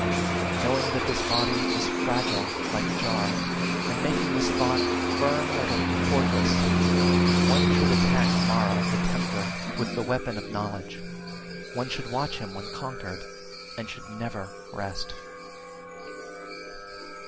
40. Knowing that this body is (fragile) like a jar, and making this thought firm like a fortress, one should attack Mara (the tempter) with the weapon of knowledge, one should watch him when conquered, and should never rest.